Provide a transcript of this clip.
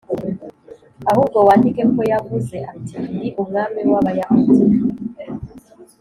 Ahubwo wandike ko yavuze ati ndi umwami w abayahudi